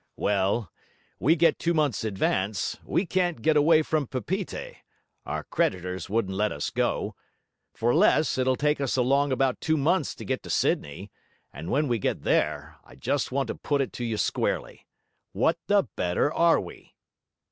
Well, we get two months' advance; we can't get away from Papeete our creditors wouldn't let us go for less; it'll take us along about two months to get to Sydney; and when we get there, I just want to put it to you squarely: What the better are we?'